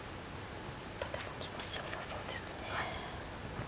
とても気持ちよさそうですね。